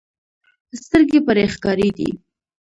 سترګې پرې ښکارېدې.